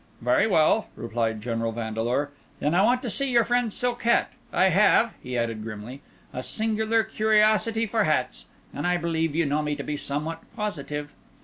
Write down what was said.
"Very well," replied General Vandeleur. "Then I want to see your friend's silk hat. I have," he added grimly, "a singular curiosity for hats; and I believe you know me to be somewhat positive."